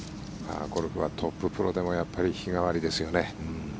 ゴルフはトッププロでもやっぱり日替わりですよね。